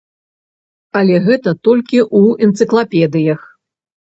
Але гэта толькі ў энцыклапедыях.